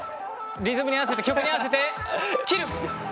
リズムに合わせて曲に合わせて切るんですよ！